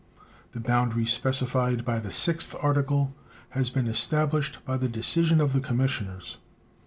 The boundary specified by the 6th article has been established by the decision of the commissioners.